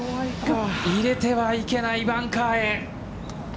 入れてはいけないバンカーへ。